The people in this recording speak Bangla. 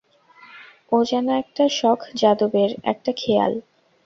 ও যেন একটা শখ যাদবের, একটা খেয়াল।